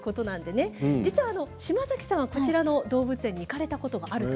実は島崎さん、こちらの動物園行かれたことがあると。